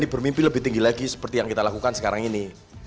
bermimpi lebih tinggi lagi seperti yang kita lakukan sekarang ini